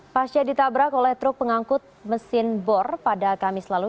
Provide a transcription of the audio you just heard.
pasca ditabrak oleh truk pengangkut mesin bor pada kamis lalu